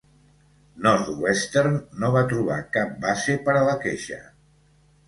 Northwestern no va trobar cap base per a la queixa.